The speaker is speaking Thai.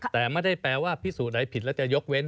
แต่ไม่ได้แปลว่าพิสูจนไหนผิดแล้วจะยกเว้น